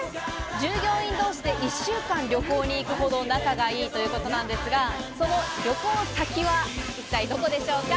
従業員同士で１週間、旅行に行くほど仲がいいということなんですが、その旅行先は一体どこでしょうか？